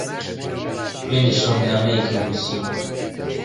دوێنێ شەو نامەیەکم نووسی.